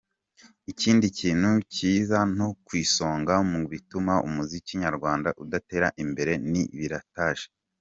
Ikindi kintu kiza no ku isonga mu bituma umuziki nyarwanda udatera imbere ni pirataje.